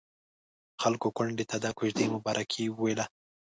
خلکو کونډې ته د کوژدې مبارکي ويله.